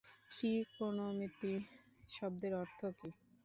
ত্রিকোণমিতি শব্দের অর্থ কী?